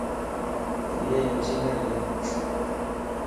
يي انجينئر ائين